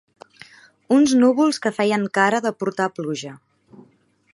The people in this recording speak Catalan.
Uns núvols que feien cara de portar pluja.